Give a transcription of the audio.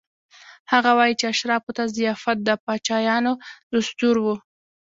هغه وايي چې اشرافو ته ضیافت د پاچایانو دستور و.